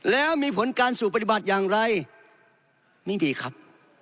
แล้วมีผลการสู่ปฏิบัติอย่างไรนี่ดีครับ